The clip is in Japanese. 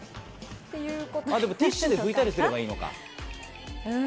でもティッシュでふいたりすればいいのか。